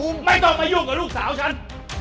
ไม่ต้องมายุ่งกับลูกสาวฉัน